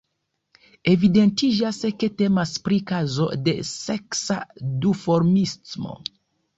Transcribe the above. Evidentiĝas ke temas pri kazo de seksa duformismo.